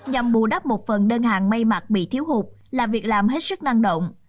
nhằm bù đắp một phần đơn hàng may mặt bị thiếu hụt là việc làm hết sức năng động